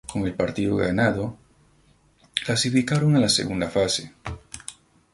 Con el partido ganado, clasificaron a la segunda fase.